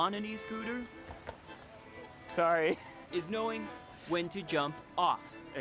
anda bisa merasakan kematian anda